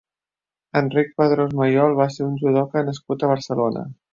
Enric Padrós Mayol va ser un judoka nascut a Barcelona.